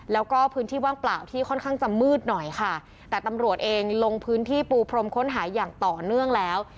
แล้วก็พื้นที่ว่างเปล่าที่ค่อนข้างจะมืดหน่อยค่ะแต่ตำรวจเองลงพื้นที่ปูพรมค้นหาอย่างต่อเนื่องแล้ว